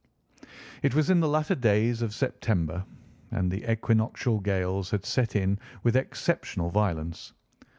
It was in the latter days of September, and the equinoctial gales had set in with exceptional violence.